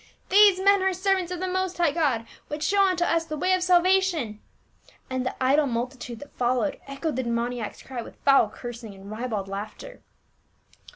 These men are ser vants of the most hie^h God ! which show unto us the IN PHILIPPL 325 way of salvation." And the idle multitude that fol lowed echoed the demoniac's cry with foul cursing and ribald laughter.